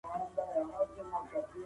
ښه انسان تل مهربان وي